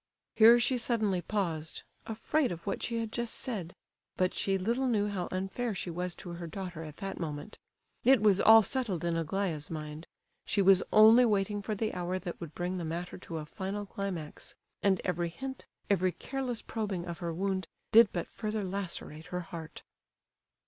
Here she suddenly paused, afraid of what she had just said. But she little knew how unfair she was to her daughter at that moment. It was all settled in Aglaya's mind. She was only waiting for the hour that would bring the matter to a final climax; and every hint, every careless probing of her wound, did but further lacerate her heart.